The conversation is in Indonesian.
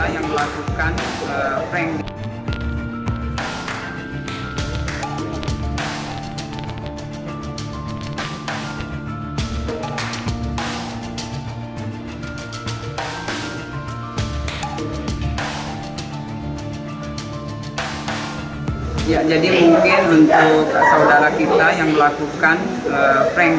ya jadi mungkin menurut saudara kita yang melakukan frank